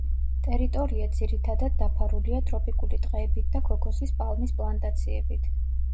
ტერიტორია ძირითადად დაფარულია ტროპიკული ტყეებით და ქოქოსის პალმის პლანტაციებით.